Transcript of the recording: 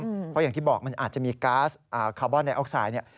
เพราะอย่างที่บอกมันอาจจะมีก๊าซคาร์บอนไอออกไซด์เนี่ย